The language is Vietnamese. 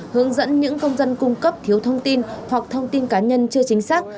hướng dẫn những công dân cung cấp thiếu thông tin hoặc thông tin cá nhân chưa chính xác